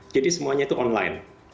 jadi semuanya itu online